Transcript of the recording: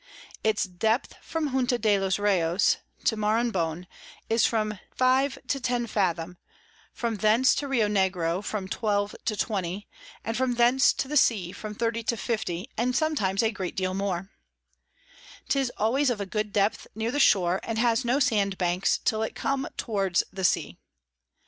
Its Depth from Junta de los Reyos to Maranhon is from 5 to 10 fathom, from thence to Rio Negro from 12 to 20, and from thence to the Sea from 30 to 50, and sometimes a great deal more. 'Tis always of a good depth near the Shore, and has no Sand Banks till it come towards the Sea.